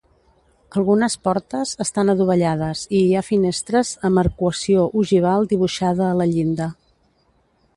Algunes portes estan adovellades i hi ha finestres amb arcuació ogival dibuixada a la llinda.